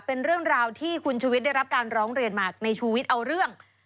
เป็นเรื่องราวที่คุณชุวิตได้รับการร้องเรียนมาในชูวิทย์เอาเรื่อง